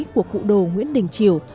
của cụ đồ nguyễn đình triều